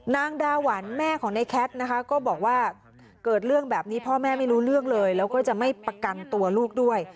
นางดาหวันแม่ของในแคทนะคะก็บอกว่าเกิดเรื่องแบบนี้พ่อแม่ไม่รู้เรื่องเลยแล้วก็จะไม่ประกันตัวลูกด้วย